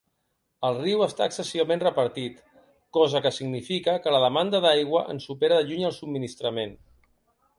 El riu està excessivament repartit, cosa que significa que la demanda d'aigua en supera de lluny el subministrament.